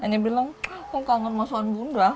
yang bilang aku kangen masakan bunda